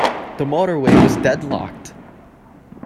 The motorway was deadlocked.